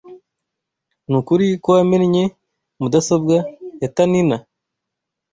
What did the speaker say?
Nukuri ko wamennye mudasobwa ya Taninna?